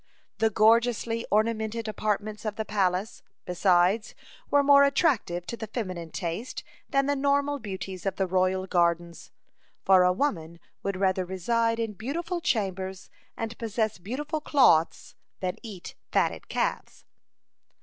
The gorgeously ornamented apartments of the palace, besides, were more attractive to the feminine taste than the natural beauties of the royal gardens, "for a woman would rather reside in beautiful chambers and possess beautiful clothes than eat fatted calves."